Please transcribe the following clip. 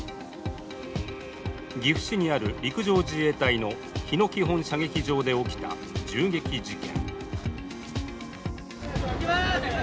岐阜市にある陸上自衛隊の日野基本射撃場で起きた銃撃事件。